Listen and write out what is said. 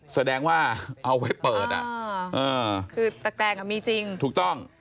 แสดงว่าเอาไว้เปิดอ่ะคือตะแกรงอ่ะมีจริงถูกต้อง